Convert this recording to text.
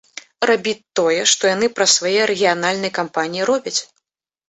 Рабіць тое, што яны праз свае рэгіянальныя кампаніі робяць.